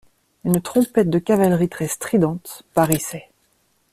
Une trompette de cavalerie très stridente barrissait.